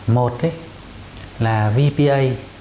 một là vpa